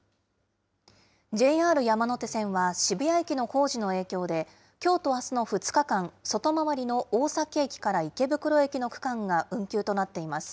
ＪＲ山手線は渋谷駅の工事の影響で、きょうとあすの２日間、外回りの大崎駅から池袋駅の区間が運休となっています。